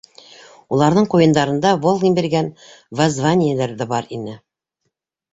Уларҙың ҡуйындарында Волгин биргән воззваниелар ҙа бар ине.